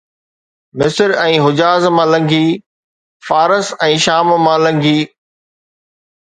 مصر ۽ حجاز مان لنگھي، فارس ۽ شام مان لنگھي